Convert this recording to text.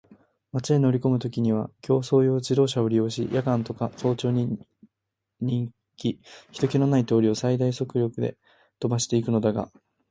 町へ乗りこむときには競走用自動車を利用し、夜間とか早朝に人気ひとけのない通りを最大速力で飛ばしていくのだが、